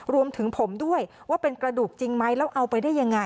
รวมถึงผมด้วยว่าเป็นกระดูกจริงไหมแล้วเอาไปได้ยังไง